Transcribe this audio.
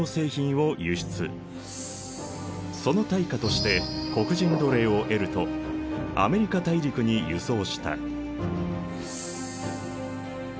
その対価として黒人奴隷を得るとアメリカ大陸に輸送した。